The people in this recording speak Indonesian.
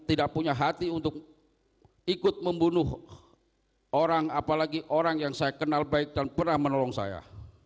tidak punya hati untuk ikut membunuh orang apalagi orang yang saya kenal baik dan pernah menolong saya